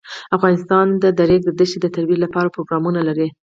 افغانستان د د ریګ دښتې د ترویج لپاره پروګرامونه لري.